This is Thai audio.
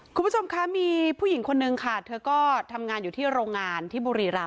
คุณผู้ชมคะมีผู้หญิงคนนึงค่ะเธอก็ทำงานอยู่ที่โรงงานที่บุรีรำ